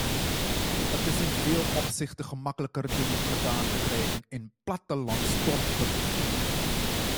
Het is in veel opzichten gemakkelijker dingen gedaan te krijgen in plattelandsdorpen.